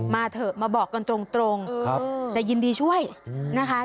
มาเถอะมาบอกกันตรงตรงครับจะยินดีช่วยอืมนะคะ